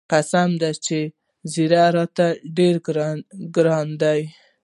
قسم دى چې ږيره راته ډېره ګرانه ده.